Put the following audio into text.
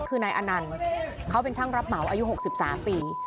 คือนายอนันต์เขาเป็นช่างรับเหมาอายุ๖๓ปี